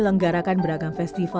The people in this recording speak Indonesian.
camara perajalan pertanian bali bye siapa